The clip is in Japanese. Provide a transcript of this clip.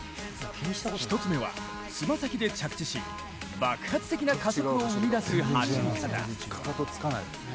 １つ目は爪先で着地し爆発的な加速を生み出す走り方。